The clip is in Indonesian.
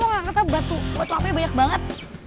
lo gak ketahuan batu apinya banyak banget